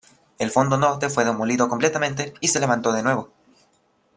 El Fondo Norte fue demolido completamente y se levantó de nuevo.